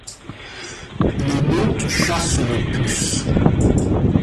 Le mot qui chasse les puces!